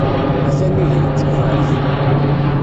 A-t-an ihi, ittubarek.